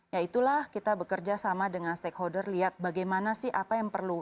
ya itulah kita bekerja sama dengan stakeholder lihat bagaimana sih apa yang perlu